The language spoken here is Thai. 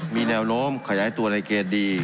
มีแนวโน้มขยายตัวในเกณฑ์ดี